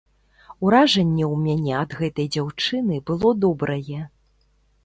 Уражанне ў мяне ад гэтай дзяўчыны было добрае.